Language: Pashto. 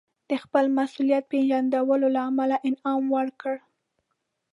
د خپل مسوولیت پېژندلو له امله انعام ورکړ.